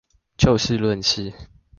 就事論事